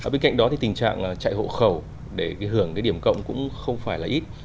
bên cạnh đó thì tình trạng chạy hộ khẩu để hưởng cái điểm cộng cũng không phải là ít